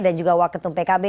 dan juga waketum pkb